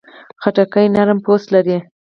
خټکی نرم پوست لري.